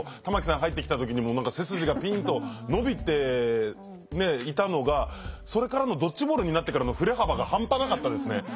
玉木さん入ってきた時にも何か背筋がピンと伸びていたのがそれからのドッジボールになってからの振れ幅が半端なかったですね。